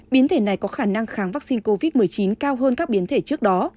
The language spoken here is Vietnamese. biến thể này có khả năng kháng vaccine covid một mươi chín cao hơn các biến thể trước đó